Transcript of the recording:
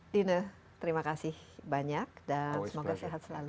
dine terima kasih banyak dan semoga sehat selalu